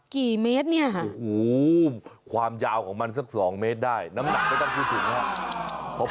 กี่เมตรเนี่ยค่ะโอ้โหความยาวของมันสัก๒เมตรได้น้ำหนักไม่ต้องพูดถึงนะครับ